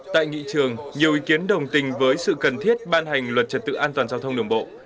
tại nghị trường nhiều ý kiến đồng tình với sự cần thiết ban hành luật trật tự an toàn giao thông đường bộ